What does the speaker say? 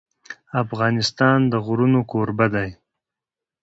افغانستان د غرونه کوربه دی.